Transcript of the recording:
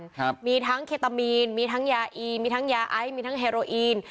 ครับมีทั้งเคตามีนมีทั้งยาอีมีทั้งยาไอซ์มีทั้งเฮโรอีน